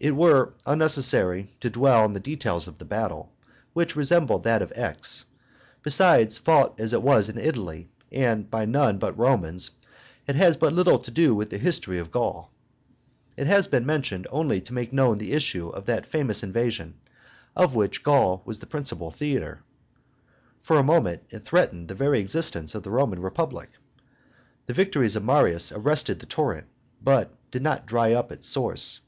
It were unnecessary to dwell on the details of the battle, which resembled that of Aix; besides, fought as it was in Italy and by none but Romans, it has but little to do with a history of Gaul. It has been mentioned only to make known the issue of that famous invasion, of which Gaul was the principal theatre. For a moment it threatened the very existence of the Roman Republic. The victories of Marius arrested the torrent, but did not dry up its source.